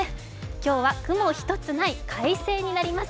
今日は雲一つない快晴になります。